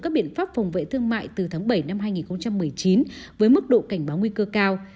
các biện pháp phòng vệ thương mại từ tháng bảy năm hai nghìn một mươi chín với mức độ cảnh báo nguy cơ cao